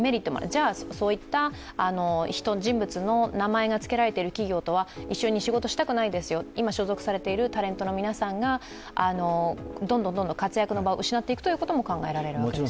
じゃあそういった人物の名前がつけられている企業とは一緒に仕事したくないですよと、今所属されているタレントの皆さんがどんどん活躍の場を失っていくことも考えられるわけですね？